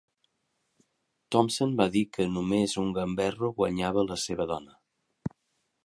Thompson va dir que només un gamberro guanyava la seva dona.